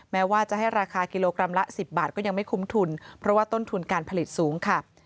แม้ว่าจะให้ราคากิโลกรัมละ๑๐บาทก็ยังไม่คุ้มทุนเพราะว่าต้นทุนการผลิตสูงค่ะ